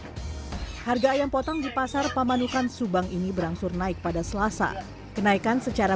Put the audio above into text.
hai harga ayam potong di pasar pamanukan subang ini berangsur naik pada selasa kenaikan secara